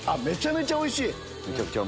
めちゃめちゃおいしい！